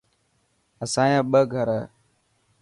اسايا ٻه گھر هي.